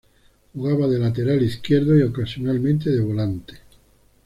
Jugaba de lateral izquierdo y ocasionalmente de volante.